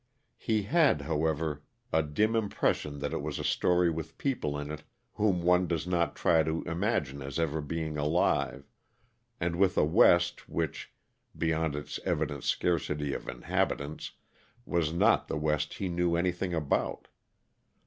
He had, however, a dim impression that it was a story with people in it whom one does not try to imagine as ever being alive, and with a West which, beyond its evident scarcity of inhabitants, was not the West he knew anything about.